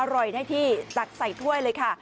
อร่อยได้ที่ตักใส่ถ้วยเลยค่ะ